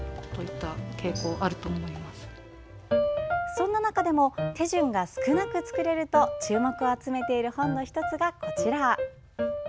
そんな中でも手順が少なく作れると注目を集めている本の１つがこちら。